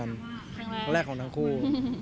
ครั้งแรกครั้งแรกของทั้งคู่